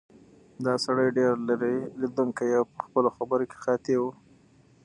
دا سړی ډېر لیرې لیدونکی او په خپلو خبرو کې قاطع و.